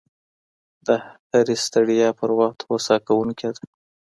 د هري ستړيا پر وخت هوسا کوونکې ده